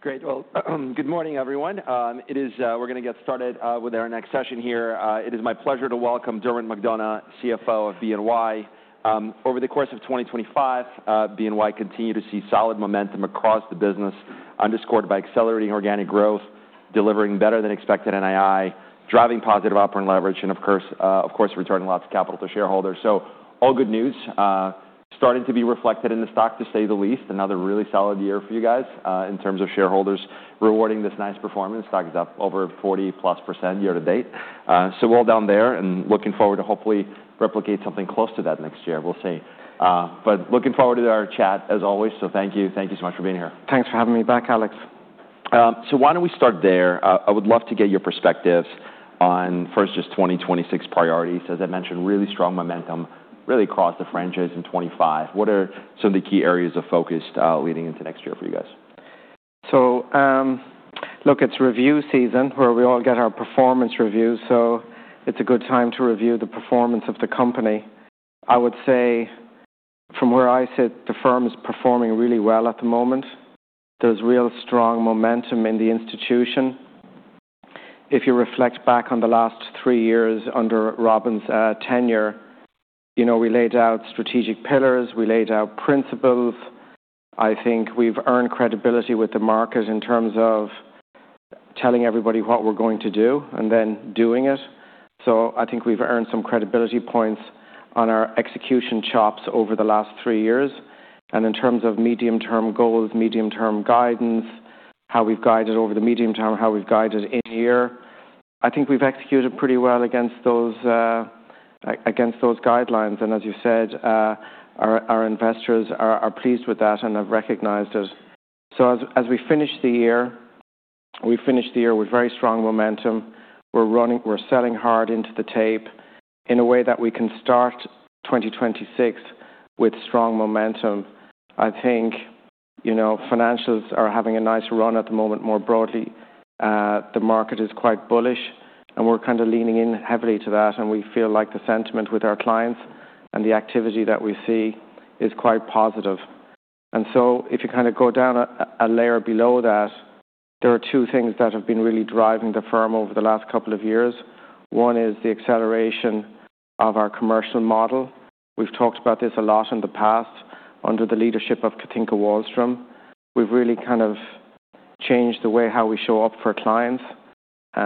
Great. Well, good morning, everyone. It is. We're going to get started with our next session here. It is my pleasure to welcome Dermot McDonogh, CFO of BNY. Over the course of 2025, BNY continued to see solid momentum across the business, underscored by accelerating organic growth, delivering better-than-expected NII, driving positive operating leverage, and, of course, returning lots of capital to shareholders. So, all good news starting to be reflected in the stock, to say the least. Another really solid year for you guys in terms of shareholders rewarding this nice performance. Stock is up over 40-plus% year to date. So, well done there, and looking forward to hopefully replicate something close to that next year. We'll see. But looking forward to our chat, as always. So, thank you. Thank you so much for being here. Thanks for having me back, Alex. So, why don't we start there? I would love to get your perspectives on, first, just 2026 priorities. As I mentioned, really strong momentum really across the franchise in 2025. What are some of the key areas of focus leading into next year for you guys? So, look, it's review season, where we all get our performance reviews. So, it's a good time to review the performance of the company. I would say, from where I sit, the firm is performing really well at the moment. There's real strong momentum in the institution. If you reflect back on the last three years under Robin's tenure, we laid out strategic pillars, we laid out principles. I think we've earned credibility with the market in terms of telling everybody what we're going to do and then doing it. So, I think we've earned some credibility points on our execution chops over the last three years. And in terms of medium-term goals, medium-term guidance, how we've guided over the medium term, how we've guided in year, I think we've executed pretty well against those guidelines. And, as you said, our investors are pleased with that and have recognized it. So, as we finish the year, we finish the year with very strong momentum. We're selling hard into the tape in a way that we can start 2026 with strong momentum. I think financials are having a nice run at the moment more broadly. The market is quite bullish, and we're kind of leaning in heavily to that. And we feel like the sentiment with our clients and the activity that we see is quite positive. And so, if you kind of go down a layer below that, there are two things that have been really driving the firm over the last couple of years. One is the acceleration of our commercial model. We've talked about this a lot in the past under the leadership of Cathinka Wahlstrom. We've really kind of changed the way how we show up for clients. We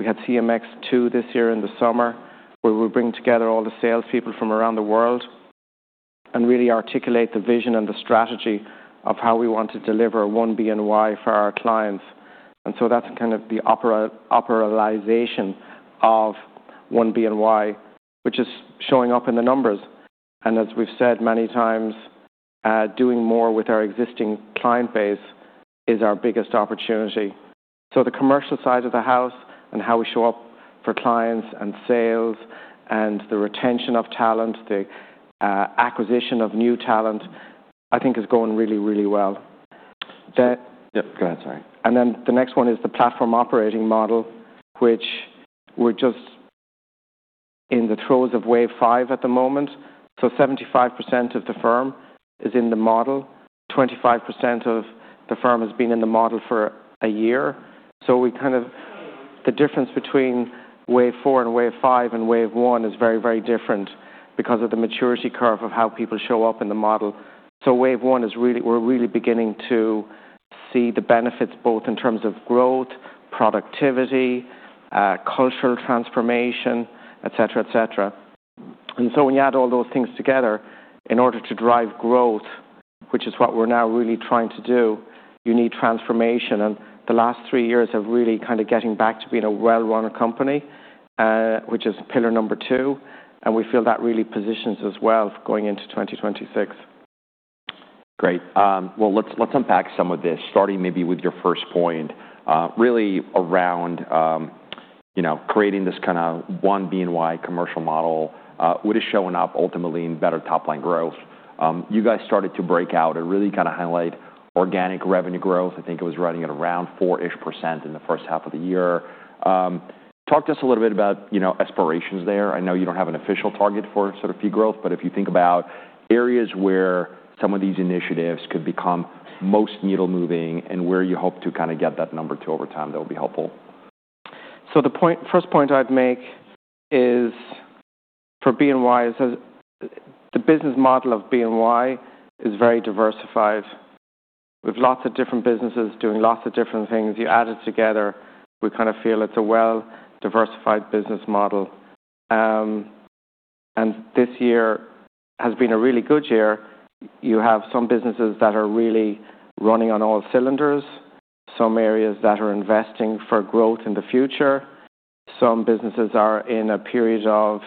had CMX II this year in the summer, where we bring together all the salespeople from around the world and really articulate the vision and the strategy of how we want to deliver 1BNY for our clients. And so, that's kind of the operationalization of 1BNY, which is showing up in the numbers. And, as we've said many times, doing more with our existing client base is our biggest opportunity. So, the commercial side of the house and how we show up for clients and sales and the retention of talent, the acquisition of new talent, I think, is going really, really well. Yeah, go ahead. Sorry. And then the next one is the Platform Operating Model, which we're just in the throes of wave five at the moment. So, 75% of the firm is in the model. 25% of the firm has been in the model for a year. So, we kind of, the difference between wave four and wave five and wave one is very, very different because of the maturity curve of how people show up in the model. So, wave one is really, we're really beginning to see the benefits both in terms of growth, productivity, cultural transformation, etc., etc. And so, when you add all those things together, in order to drive growth, which is what we're now really trying to do, you need transformation. And the last three years have really kind of getting back to being a well-run company, which is pillar number two. We feel that really positions us well going into 2026. Great. Well, let's unpack some of this, starting maybe with your first point, really around creating this kind of 1BNY commercial model, what is showing up ultimately in better top-line growth. You guys started to break out and really kind of highlight organic revenue growth. I think it was running at around 4-ish% in the first half of the year. Talk to us a little bit about aspirations there. I know you don't have an official target for sort of fee growth, but if you think about areas where some of these initiatives could become most needle-moving and where you hope to kind of get that number to over time, that would be helpful. So, the first point I'd make is for BNY is the business model of BNY is very diversified. We have lots of different businesses doing lots of different things. You add it together, we kind of feel it's a well-diversified business model. And this year has been a really good year. You have some businesses that are really running on all cylinders, some areas that are investing for growth in the future. Some businesses are in a period of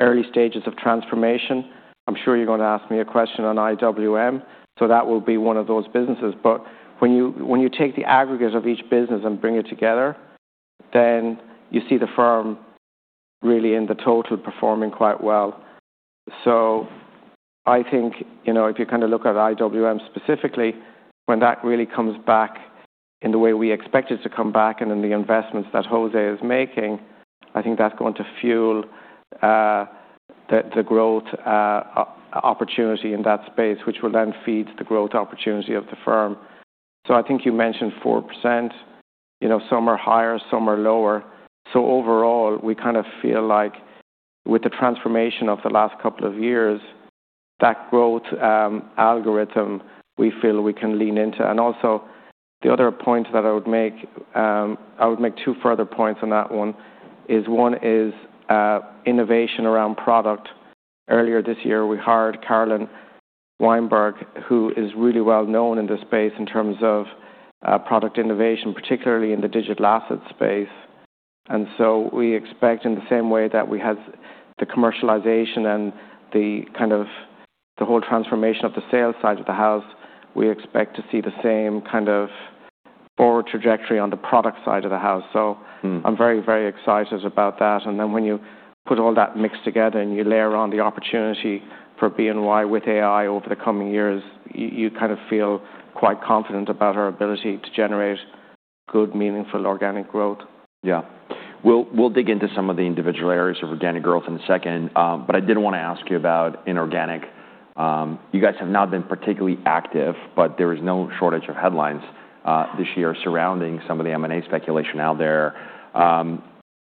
early stages of transformation. I'm sure you're going to ask me a question on IWM, so that will be one of those businesses. But when you take the aggregate of each business and bring it together, then you see the firm really in the total performing quite well. So, I think if you kind of look at IWM specifically, when that really comes back in the way we expect it to come back and in the investments that Jose is making, I think that's going to fuel the growth opportunity in that space, which will then feed the growth opportunity of the firm. So, I think you mentioned 4%. Some are higher, some are lower. So, overall, we kind of feel like with the transformation of the last couple of years, that growth algorithm, we feel we can lean into. And also, the other point that I would make. I would make two further points on that. One is innovation around product. Earlier this year, we hired Carolyn Weinberg, who is really well known in this space in terms of product innovation, particularly in the digital asset space. And so, we expect in the same way that we had the commercialization and the kind of the whole transformation of the sales side of the house, we expect to see the same kind of forward trajectory on the product side of the house. So, I'm very, very excited about that. And then when you put all that mix together and you layer on the opportunity for BNY with AI over the coming years, you kind of feel quite confident about our ability to generate good, meaningful organic growth. Yeah. We'll dig into some of the individual areas of organic growth in a second, but I did want to ask you about inorganic. You guys have not been particularly active, but there is no shortage of headlines this year surrounding some of the M&A speculation out there.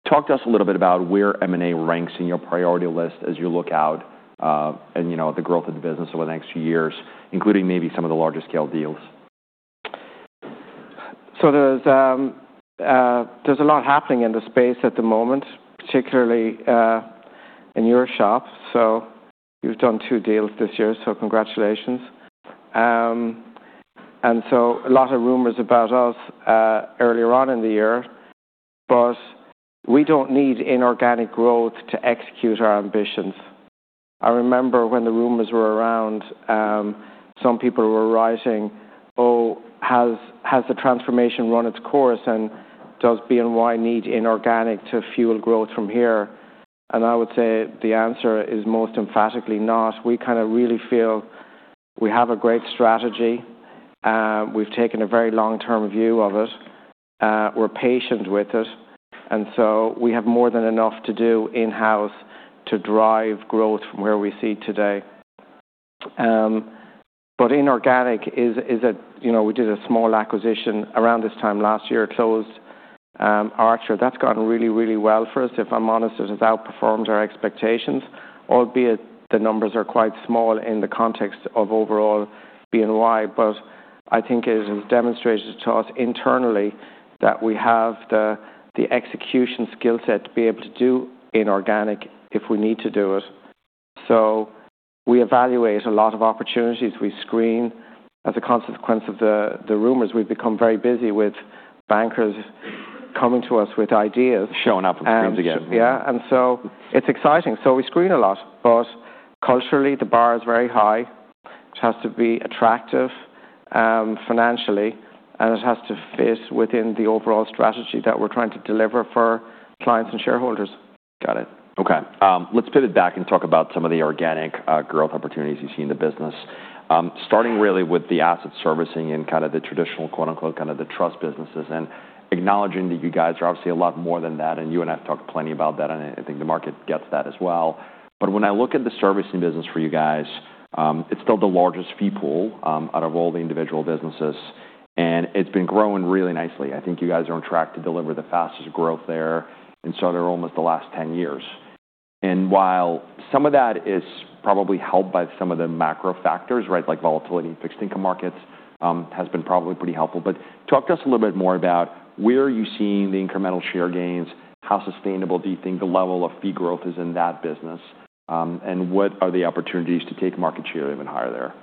Talk to us a little bit about where M&A ranks in your priority list as you look out and the growth of the business over the next few years, including maybe some of the larger-scale deals. So, there's a lot happening in the space at the moment, particularly in your shop. So, you've done two deals this year, so congratulations, and so a lot of rumors about us earlier on in the year, but we don't need inorganic growth to execute our ambitions. I remember when the rumors were around, some people were writing, "Oh, has the transformation run its course? And does BNY need inorganic to fuel growth from here?," and I would say the answer is most emphatically not. We kind of really feel we have a great strategy. We've taken a very long-term view of it. We're patient with it, and so we have more than enough to do in-house to drive growth from where we see today, but inorganic is a, we did a small acquisition around this time last year, closed Archer. That's gone really, really well for us, if I'm honest. It has outperformed our expectations, albeit the numbers are quite small in the context of overall BNY. But I think it has demonstrated to us internally that we have the execution skill set to be able to do inorganic if we need to do it. So, we evaluate a lot of opportunities. We screen. As a consequence of the rumors, we've become very busy with bankers coming to us with ideas. Showing up at the teams again. Yeah. And so, it's exciting. So, we screen a lot, but culturally, the bar is very high. It has to be attractive financially, and it has to fit within the overall strategy that we're trying to deliver for clients and shareholders. Got it. Okay. Let's pivot back and talk about some of the organic growth opportunities you see in the business, starting really with the asset servicing and kind of the traditional, quote-unquote, kind of the trust businesses and acknowledging that you guys are obviously a lot more than that, and you and I have talked plenty about that, and I think the market gets that as well, but when I look at the servicing business for you guys, it's still the largest fee pool out of all the individual businesses, and it's been growing really nicely. I think you guys are on track to deliver the fastest growth there in sort of almost the last 10 years, and while some of that is probably helped by some of the macro factors, right, like volatility in fixed-income markets, has been probably pretty helpful. But talk to us a little bit more about where are you seeing the incremental share gains? How sustainable do you think the level of fee growth is in that business, and what are the opportunities to take market share even higher there?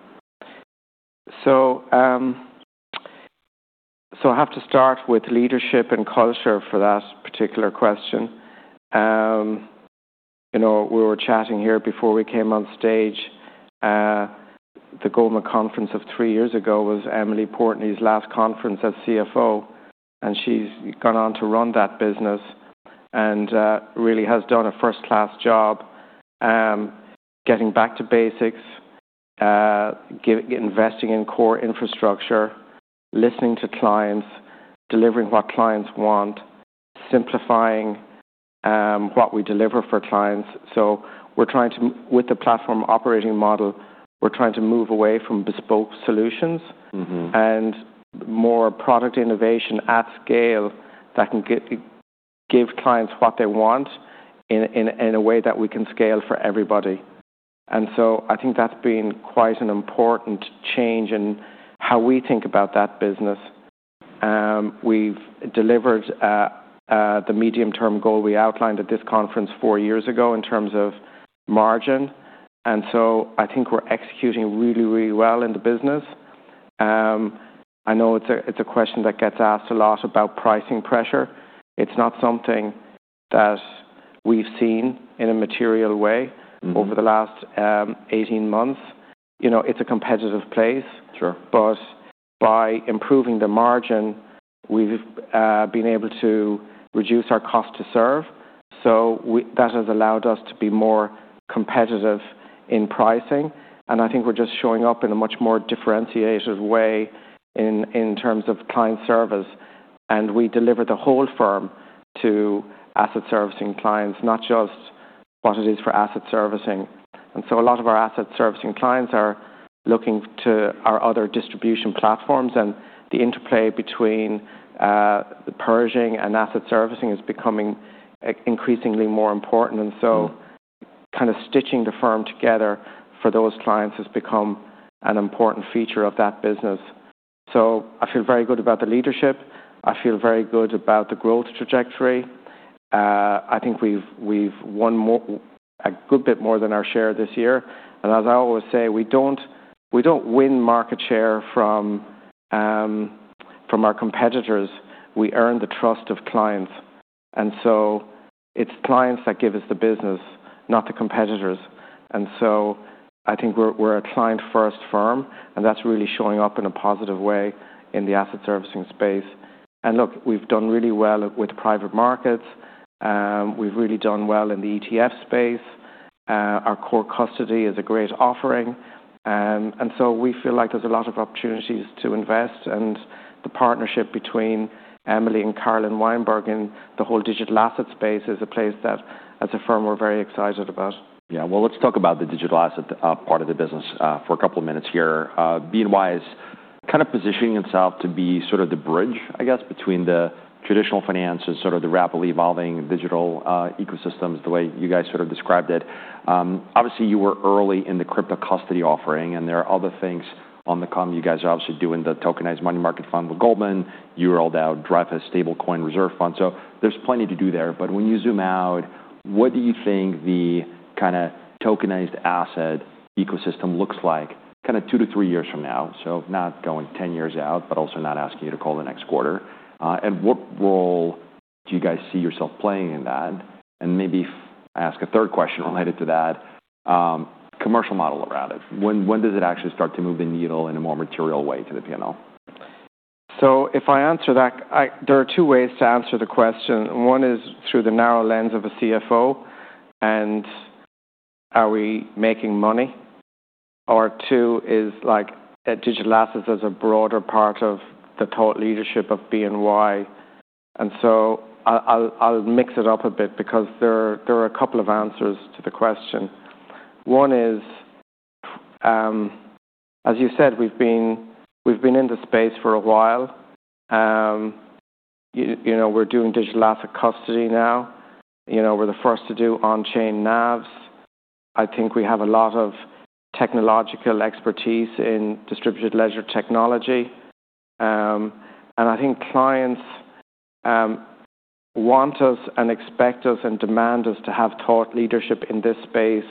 I have to start with leadership and culture for that particular question. We were chatting here before we came on stage. The Goldman Conference of three years ago was Emily Portney's last conference as CFO, and she's gone on to run that business and really has done a first-class job getting back to basics, investing in core infrastructure, listening to clients, delivering what clients want, simplifying what we deliver for clients. We're trying to, with the Platform Operating Model, we're trying to move away from bespoke solutions and more product innovation at scale that can give clients what they want in a way that we can scale for everybody. I think that's been quite an important change in how we think about that business. We've delivered the medium-term goal we outlined at this conference four years ago in terms of margin. And so, I think we're executing really, really well in the business. I know it's a question that gets asked a lot about pricing pressure. It's not something that we've seen in a material way over the last 18 months. It's a competitive place. But by improving the margin, we've been able to reduce our cost to serve. So, that has allowed us to be more competitive in pricing. And I think we're just showing up in a much more differentiated way in terms of client service. And we deliver the whole firm to asset servicing clients, not just what it is for asset servicing. And so, a lot of our asset servicing clients are looking to our other distribution platforms. And the interplay between Pershing and asset servicing is becoming increasingly more important. And so, kind of stitching the firm together for those clients has become an important feature of that business. So, I feel very good about the leadership. I feel very good about the growth trajectory. I think we've won a good bit more than our share this year. And as I always say, we don't win market share from our competitors. We earn the trust of clients. And so, I think we're a client-first firm, and that's really showing up in a positive way in the asset servicing space. And look, we've done really well with private markets. We've really done well in the ETF space. Our core custody is a great offering. And so, we feel like there's a lot of opportunities to invest. The partnership between Emily and Carolyn Weinberg in the whole digital asset space is a place that, as a firm, we're very excited about. Yeah. Well, let's talk about the digital asset part of the business for a couple of minutes here. BNY is kind of positioning itself to be sort of the bridge, I guess, between the traditional finance and sort of the rapidly evolving digital ecosystems, the way you guys sort of described it. Obviously, you were early in the crypto custody offering, and there are other things on the coming. You guys are obviously doing the tokenized money market fund with Goldman. You rolled out Dreyfus stablecoin reserve fund. So, there's plenty to do there. But when you zoom out, what do you think the kind of tokenized asset ecosystem looks like kind of two to three years from now? So, not going 10 years out, but also not asking you to call the next quarter. And what role do you guys see yourself playing in that? Maybe I ask a third question related to that commercial model around it. When does it actually start to move the needle in a more material way to the P&L? So, if I answer that, there are two ways to answer the question. One is through the narrow lens of a CFO, and are we making money? Or two is like digital assets as a broader part of the thought leadership of BNY. And so, I'll mix it up a bit because there are a couple of answers to the question. One is, as you said, we've been in the space for a while. We're doing digital asset custody now. We're the first to do on-chain NAVs. I think we have a lot of technological expertise in distributed ledger technology. And I think clients want us and expect us and demand us to have thought leadership in this space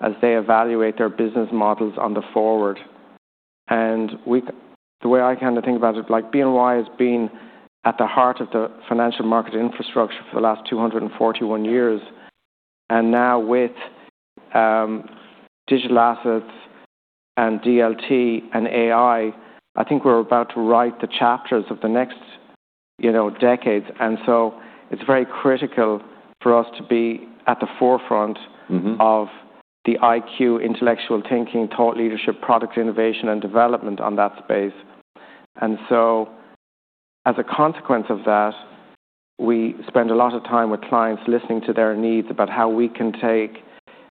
as they evaluate their business models on the forward. And the way I kind of think about it, like BNY has been at the heart of the financial market infrastructure for the last 241 years. And now with digital assets and DLT and AI, I think we're about to write the chapters of the next decades. And so, it's very critical for us to be at the forefront of the IQ, intellectual thinking, thought leadership, product innovation, and development on that space. And so, as a consequence of that, we spend a lot of time with clients listening to their needs about how we can take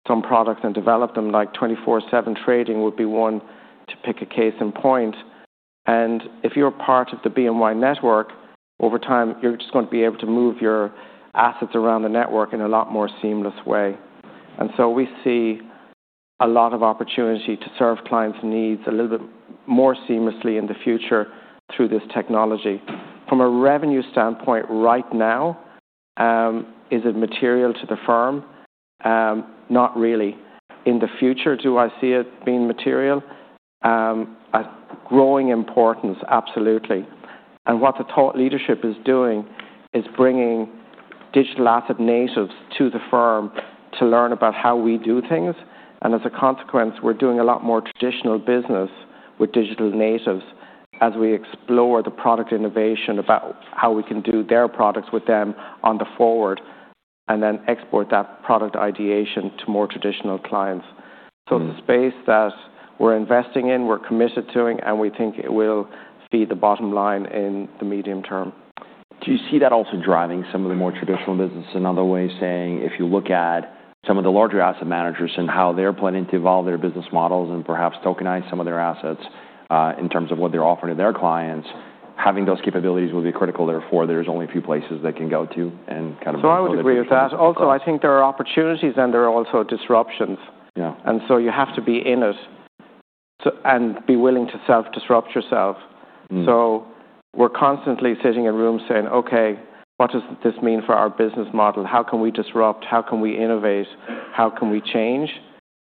some products and develop them. Like 24/7 trading would be one to pick a case in point. And if you're part of the BNY network, over time, you're just going to be able to move your assets around the network in a lot more seamless way. And so, we see a lot of opportunity to serve clients' needs a little bit more seamlessly in the future through this technology. From a revenue standpoint right now, is it material to the firm? Not really. In the future, do I see it being material? Growing importance, absolutely. And what the thought leadership is doing is bringing digital asset natives to the firm to learn about how we do things. And as a consequence, we're doing a lot more traditional business with digital natives as we explore the product innovation about how we can do their products with them on the forward and then export that product ideation to more traditional clients. So, it's a space that we're investing in, we're committed to, and we think it will feed the bottom line in the medium term. Do you see that also driving some of the more traditional business in other ways, saying if you look at some of the larger asset managers and how they're planning to evolve their business models and perhaps tokenize some of their assets in terms of what they're offering to their clients, having those capabilities will be critical. Therefore, there's only a few places they can go to and kind of. So, I would agree with that. Also, I think there are opportunities and there are also disruptions. And so, you have to be in it and be willing to self-disrupt yourself. So, we're constantly sitting in rooms saying, "Okay, what does this mean for our business model? How can we disrupt? How can we innovate? How can we change?"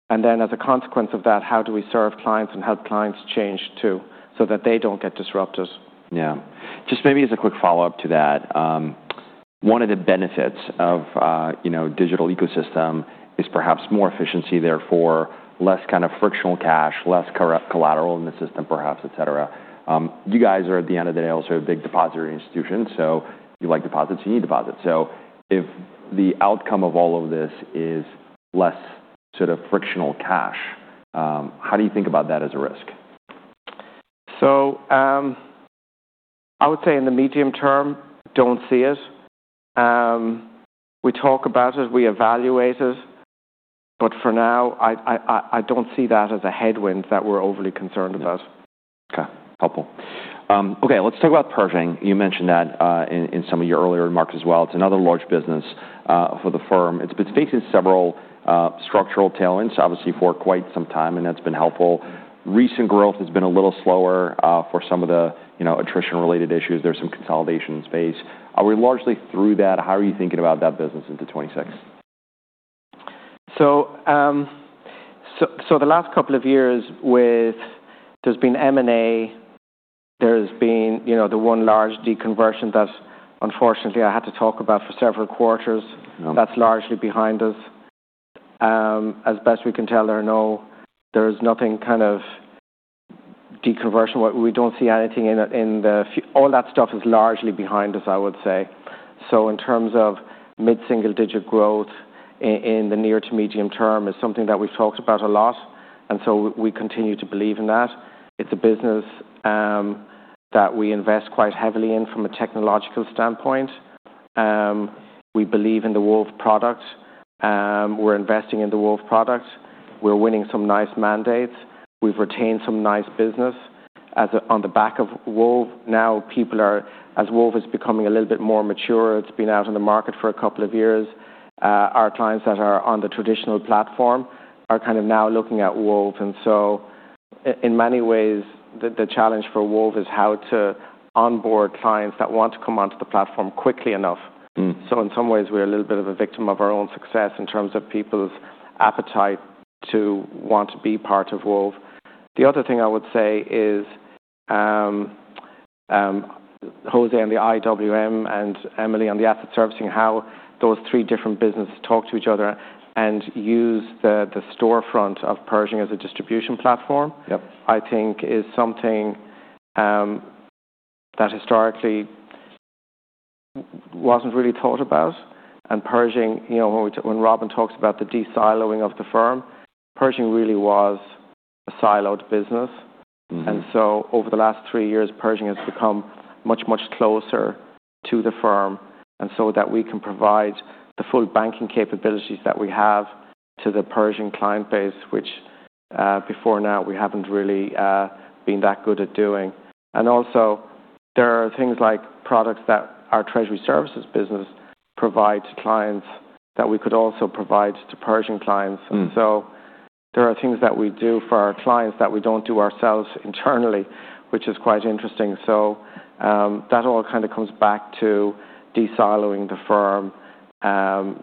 And then, as a consequence of that, how do we serve clients and help clients change too so that they don't get disrupted. Yeah. Just maybe as a quick follow-up to that, one of the benefits of a digital ecosystem is perhaps more efficiency, therefore, less kind of frictional cash, less collateral in the system, perhaps, etc. You guys are, at the end of the day, also a big depository institution. So, you like deposits, you need deposits. So, if the outcome of all of this is less sort of frictional cash, how do you think about that as a risk? So, I would say in the medium term, don't see it. We talk about it, we evaluate it. But for now, I don't see that as a headwind that we're overly concerned about. Okay. Helpful. Okay. Let's talk about Pershing. You mentioned that in some of your earlier remarks as well. It's another large business for the firm. It's been facing several structural tailwinds, obviously, for quite some time, and that's been helpful. Recent growth has been a little slower for some of the attrition-related issues. There's some consolidation in space. Are we largely through that? How are you thinking about that business into 2026? So, the last couple of years with there's been M&A. There's been the one large deconversion that, unfortunately, I had to talk about for several quarters. That's largely behind us. As best we can tell, there is nothing kind of deconversion. We don't see anything in the, all that stuff is largely behind us, I would say. So, in terms of mid-single-digit growth in the near to medium term is something that we've talked about a lot, and so we continue to believe in that. It's a business that we invest quite heavily in from a technological standpoint. We believe in the Wove product. We're investing in the Wove product. We're winning some nice mandates. We've retained some nice business. On the back of Wove, now people are, as Wove is becoming a little bit more mature. It's been out on the market for a couple of years. Our clients that are on the traditional platform are kind of now looking at Wove, and so, in many ways, the challenge for Wove is how to onboard clients that want to come onto the platform quickly enough, so, in some ways, we're a little bit of a victim of our own success in terms of people's appetite to want to be part of Wove. The other thing I would say is José on the IWM and Emily on the asset servicing, how those three different businesses talk to each other and use the storefront of Pershing as a distribution platform, I think, is something that historically wasn't really thought about, and Pershing, when Robin talks about the de-siloing of the firm, Pershing really was a siloed business. And so, over the last three years, Pershing has become much, much closer to the firm and so that we can provide the full banking capabilities that we have to the Pershing client base, which before now we haven't really been that good at doing. And also, there are things like products that our treasury services business provides to clients that we could also provide to Pershing clients. And so, there are things that we do for our clients that we don't do ourselves internally, which is quite interesting. So, that all kind of comes back to de-siloing the firm,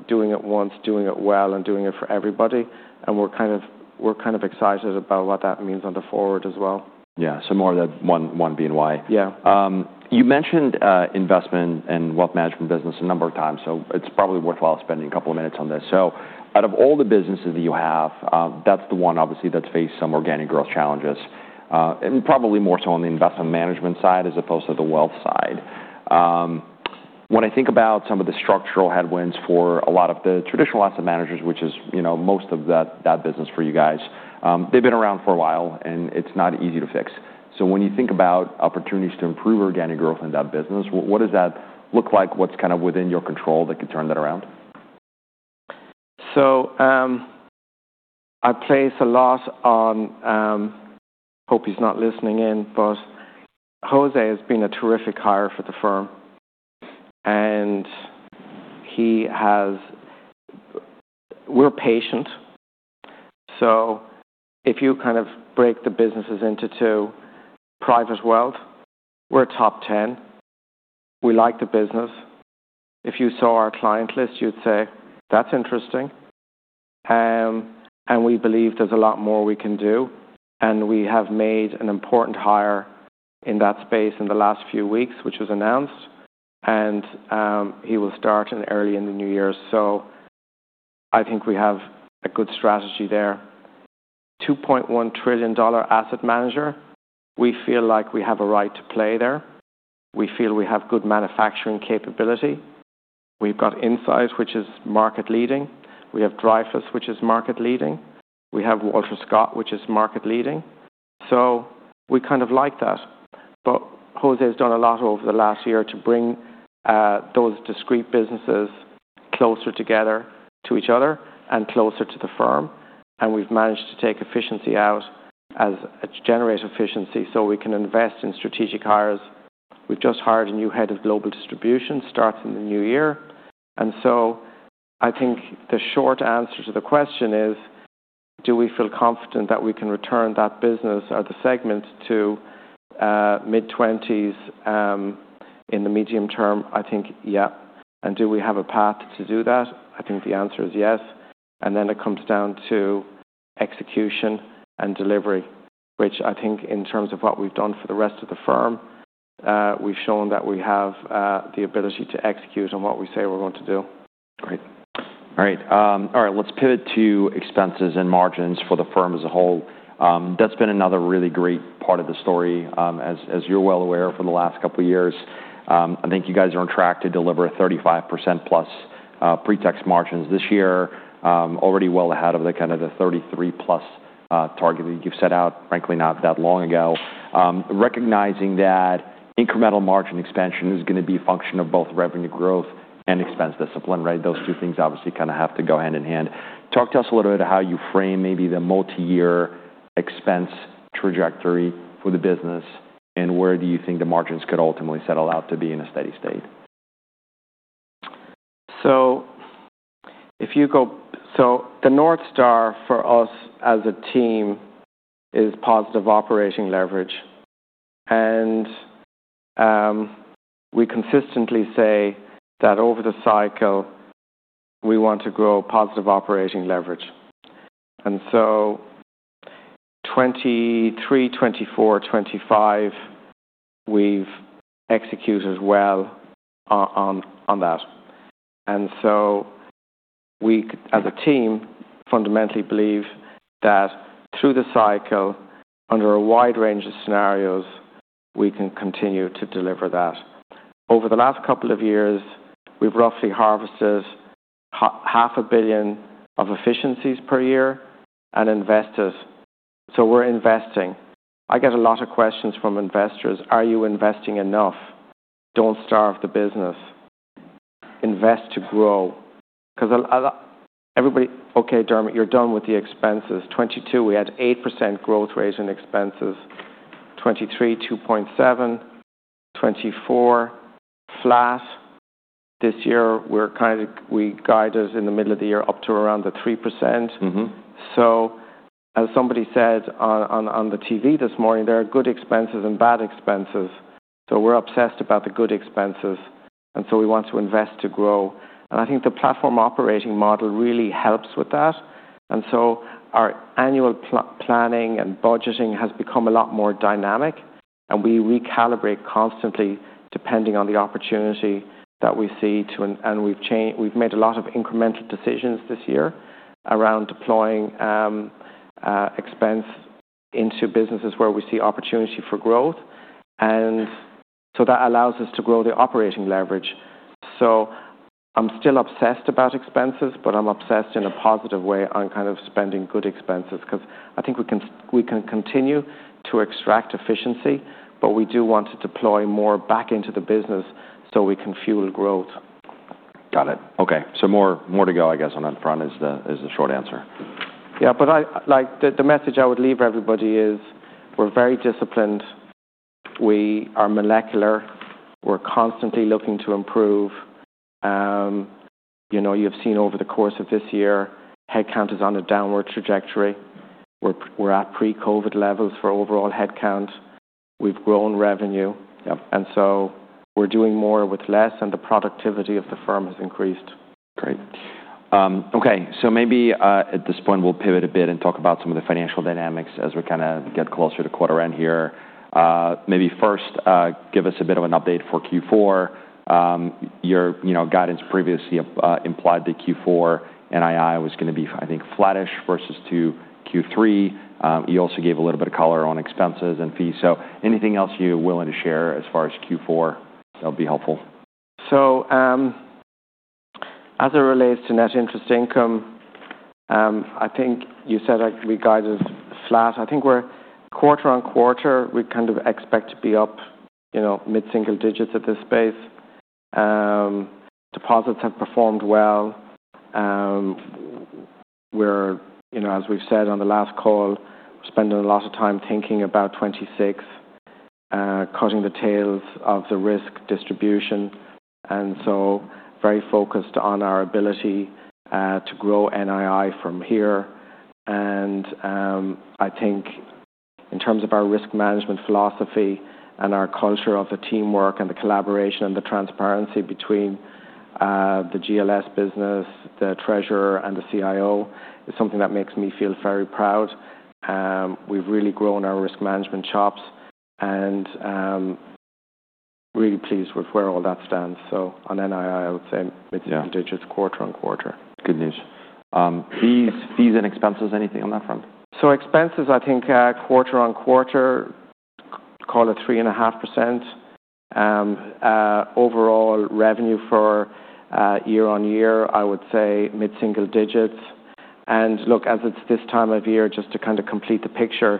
doing it once, doing it well, and doing it for everybody. And we're kind of excited about what that means going forward as well. Yeah. So, more of that 1BNY. Yeah. You mentioned investment and wealth management business a number of times. So, it's probably worthwhile spending a couple of minutes on this. So, out of all the businesses that you have, that's the one, obviously, that's faced some organic growth challenges and probably more so on the investment management side as opposed to the wealth side. When I think about some of the structural headwinds for a lot of the traditional asset managers, which is most of that business for you guys, they've been around for a while and it's not easy to fix. So, when you think about opportunities to improve organic growth in that business, what does that look like? What's kind of within your control that could turn that around? So, I place a lot on hope he's not listening in first. Jose has been a terrific hire for the firm. And we're patient. So, if you kind of break the businesses into two, private wealth, we're top 10. We like the business. If you saw our client list, you'd say, "That's interesting." And we believe there's a lot more we can do. And we have made an important hire in that space in the last few weeks, which was announced. And he will start early in the new year. So, I think we have a good strategy there. $2.1 trillion asset manager, we feel like we have a right to play there. We feel we have good manufacturing capability. We've got Insight, which is market-leading. We have Dreyfus, which is market-leading. We have Walter Scott, which is market-leading. So, we kind of like that. But Jose has done a lot over the last year to bring those discrete businesses closer together to each other and closer to the firm. And we've managed to take efficiency out as a generator efficiency so we can invest in strategic hires. We've just hired a new head of global distribution. Starts in the new year. And so, I think the short answer to the question is, do we feel confident that we can return that business or the segment to mid-20s in the medium term? I think, yeah. And do we have a path to do that? I think the answer is yes. And then it comes down to execution and delivery, which I think in terms of what we've done for the rest of the firm, we've shown that we have the ability to execute on what we say we're going to do. Great. All right. All right. Let's pivot to expenses and margins for the firm as a whole. That's been another really great part of the story, as you're well aware, for the last couple of years. I think you guys are on track to deliver 35% plus pre-tax margins this year, already well ahead of the kind of the 33 plus target that you've set out, frankly, not that long ago. Recognizing that incremental margin expansion is going to be a function of both revenue growth and expense discipline, right? Those two things obviously kind of have to go hand in hand. Talk to us a little bit of how you frame maybe the multi-year expense trajectory for the business and where do you think the margins could ultimately settle out to be in a steady state? So, the North Star for us as a team is positive operating leverage. And we consistently say that over the cycle, we want to grow positive operating leverage. And so, 2023, 2024, 2025, we've executed well on that. And so, we as a team fundamentally believe that through the cycle, under a wide range of scenarios, we can continue to deliver that. Over the last couple of years, we've roughly harvested $500 million of efficiencies per year and investors. So, we're investing. I get a lot of questions from investors. Are you investing enough? Don't starve the business. Invest to grow. Because everybody, okay, Dermot, you're done with the expenses. 2022, we had 8% growth rate in expenses. 2023, 2.7%. 2024, flat. This year, we're kind of guided in the middle of the year up to around the 3%. So, as somebody said on the TV this morning, there are good expenses and bad expenses. So, we're obsessed about the good expenses. And so, we want to invest to grow. And I think the Platform Operating Model really helps with that. And so, our annual planning and budgeting has become a lot more dynamic. And we recalibrate constantly depending on the opportunity that we see. And we've made a lot of incremental decisions this year around deploying expense into businesses where we see opportunity for growth. And so, that allows us to grow the Operating Leverage. So, I'm still obsessed about expenses, but I'm obsessed in a positive way on kind of spending good expenses because I think we can continue to extract efficiency, but we do want to deploy more back into the business so we can fuel growth. Got it. Okay. So, more to go, I guess, on that front is the short answer. Yeah, but the message I would leave everybody is we're very disciplined. We are molecular. We're constantly looking to improve. You have seen over the course of this year, headcount is on a downward trajectory. We're at pre-COVID levels for overall headcount. We've grown revenue, and so, we're doing more with less, and the productivity of the firm has increased. Great. Okay. So, maybe at this point, we'll pivot a bit and talk about some of the financial dynamics as we kind of get closer to quarter end here. Maybe first, give us a bit of an update for Q4. Your guidance previously implied that Q4 NII was going to be, I think, flattish versus to Q3. You also gave a little bit of color on expenses and fees. So, anything else you're willing to share as far as Q4? That'll be helpful. So, as it relates to net interest income, I think you said we guided flat. I think we're quarter on quarter. We kind of expect to be up mid-single digits in this space. Deposits have performed well. We're, as we've said on the last call, spending a lot of time thinking about 2026, cutting the tails of the risk distribution. And so, very focused on our ability to grow NII from here. And I think in terms of our risk management philosophy and our culture of the teamwork and the collaboration and the transparency between the GLS business, the treasurer, and the CIO is something that makes me feel very proud. We've really grown our risk management chops and really pleased with where all that stands. So, on NII, I would say mid-single digits, quarter on quarter. Good news. Fees and expenses, anything on that front? So, expenses, I think quarter on quarter, call it 3.5%. Overall revenue for year on year, I would say mid-single digits, and look, as it's this time of year, just to kind of complete the picture,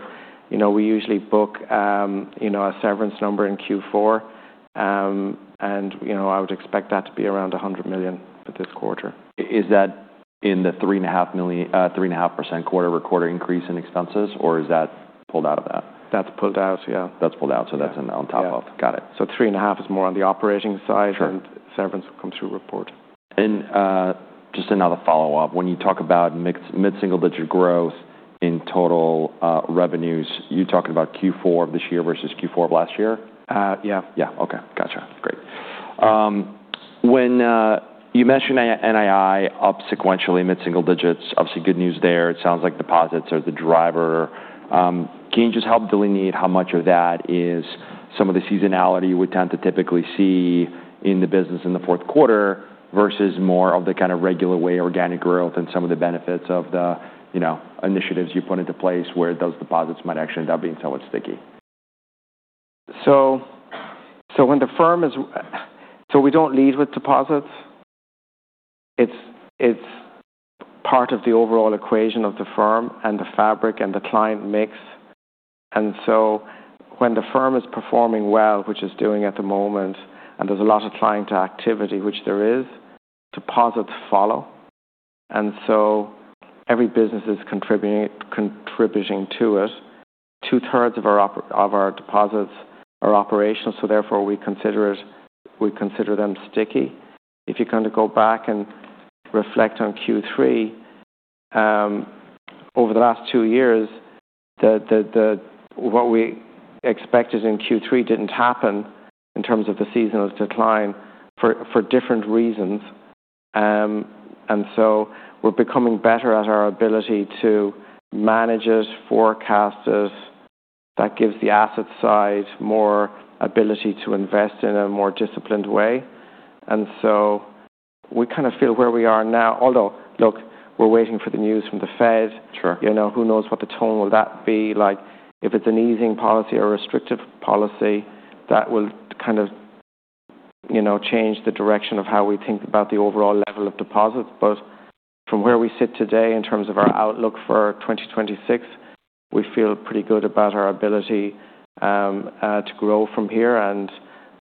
we usually book a severance number in Q4, and I would expect that to be around $100 million for this quarter. Is that in the 3.5% quarter-over-quarter increase in expenses, or is that pulled out of that? That's pulled out, yeah. That's pulled out. So, that's on top of. Got it. So, 3.5 is more on the operating side, and severance will come through report. And just another follow-up. When you talk about mid-single-digit growth in total revenues, you're talking about Q4 of this year versus Q4 of last year? Yeah. Yeah. Okay. Gotcha. Great. When you mentioned NII up sequentially mid-single digits, obviously good news there. It sounds like deposits are the driver. Can you just help delineate how much of that is some of the seasonality you would tend to typically see in the business in the fourth quarter versus more of the kind of regular way organic growth and some of the benefits of the initiatives you put into place where those deposits might actually end up being somewhat sticky? So, when the firm is, so we don't lead with deposits. It's part of the overall equation of the firm and the fabric and the client mix, and so, when the firm is performing well, which it's doing at the moment, and there's a lot of client activity, which there is, deposits follow, and so, every business is contributing to it. Two-thirds of our deposits are operational, so, therefore, we consider them sticky. If you kind of go back and reflect on Q3, over the last two years, what we expected in Q3 didn't happen in terms of the seasonal decline for different reasons, and so, we're becoming better at our ability to manage it, forecast it. That gives the asset side more ability to invest in a more disciplined way, and so, we kind of feel where we are now. Although, look, we're waiting for the news from the Fed. Who knows what the tone will be like? If it's an easing policy or a restrictive policy, that will kind of change the direction of how we think about the overall level of deposits. But from where we sit today in terms of our outlook for 2026, we feel pretty good about our ability to grow from here. And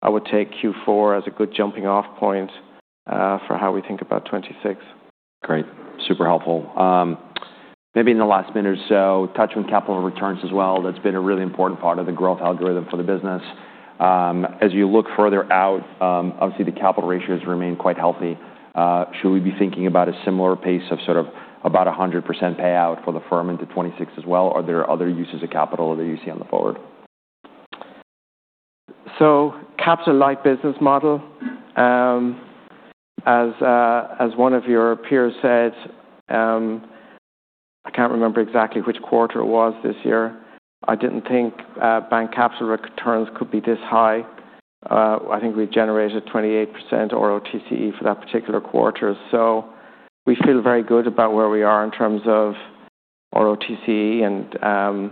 I would take Q4 as a good jumping-off point for how we think about '26. Great. Super helpful. Maybe in the last minute or so, touch on capital returns as well. That's been a really important part of the growth algorithm for the business. As you look further out, obviously, the capital ratios remain quite healthy. Should we be thinking about a similar pace of sort of about 100% payout for the firm into 2026 as well? Are there other uses of capital that you see on the forward? So, capital-like business model. As one of your peers said, I can't remember exactly which quarter it was this year. I didn't think bank capital returns could be this high. I think we generated 28% ROTCE for that particular quarter. So, we feel very good about where we are in terms of ROTCE and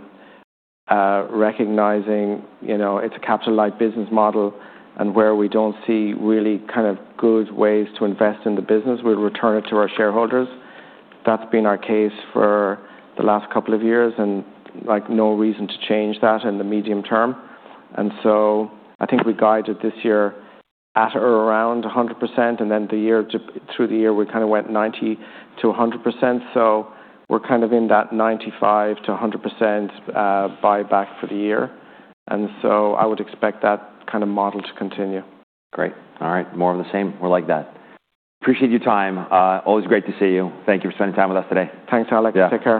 recognizing it's a capital-like business model and where we don't see really kind of good ways to invest in the business, we'll return it to our shareholders. That's been our case for the last couple of years and no reason to change that in the medium term. And so, I think we guided this year at or around 100%. And then through the year, we kind of went 90%-100%. So, we're kind of in that 95%-100% buyback for the year. And so, I would expect that kind of model to continue. Great. All right. More of the same. We're like that. Appreciate your time. Always great to see you. Thank you for spending time with us today. Thanks, Alex. Take care.